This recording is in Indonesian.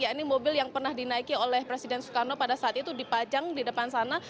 ini mobil yang pernah dinaiki oleh presiden soekarno pada saat itu dipajang di depan sana